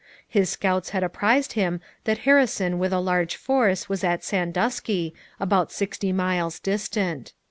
His scouts had apprised him that Harrison with a large force was at Sandusky, about sixty miles distant.